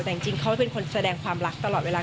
แต่จริงเขาเป็นคนแสดงความรักตลอดเวลา